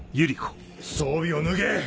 装備を脱げ！